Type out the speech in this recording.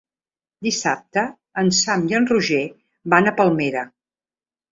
Dissabte en Sam i en Roger van a Palmera.